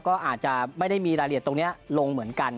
ก็อาจจะไม่ได้มีรายละเอียดตรงนี้ลงเหมือนกัน